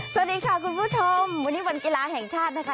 สวัสดีค่ะคุณผู้ชมวันนี้วันกีฬาแห่งชาตินะคะ